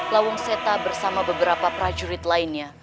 lawung seta bersama beberapa prajurit lainnya